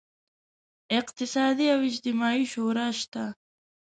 اقتصادي او اجتماعي شورا شته.